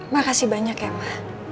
makasih banyak ya ma